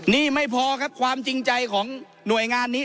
นี่ไม่พอครับความจริงใจของหน่วยงานนี้